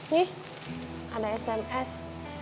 nih ada sms